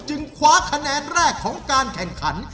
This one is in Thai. คว้าคะแนนแรกของการแข่งขัน